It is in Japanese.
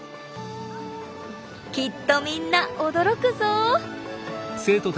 きっとみんな驚くぞ！